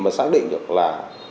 và xác định được là